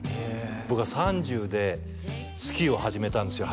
僕が３０でスキーを始めたんですよ